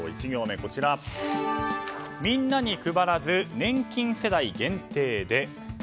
１行目みんなに配らず年金世代限定で。